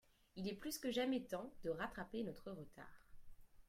Il est plus que jamais temps de rattraper notre retard.